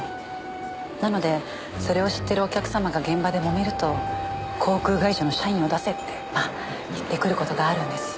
なのでそれを知ってるお客様が現場でもめると航空会社の社員を出せって言ってくる事があるんです。